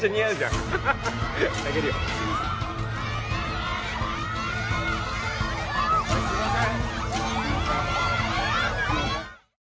すいません。